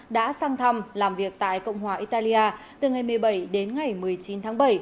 đã sang thăm làm việc tại cộng hòa italia từ ngày một mươi bảy đến ngày một mươi chín tháng bảy